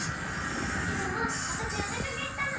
きのうわたしおでかけしたの！